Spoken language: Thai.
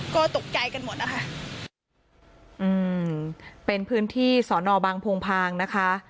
ก็ตกใจกันหมดนะคะอืมเป็นพื้นที่สอนอบางโพงพางนะคะ